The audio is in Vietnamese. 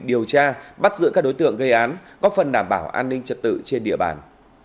điều tra bắt giữ các đối tượng gây án có phần đảm bảo an ninh trật tự trên địa bàn